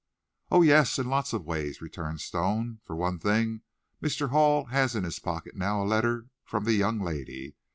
"Oh, yes, in lots of ways," returned Stone. "For one thing, Mr. Hall has in his pocket now a letter from the young lady.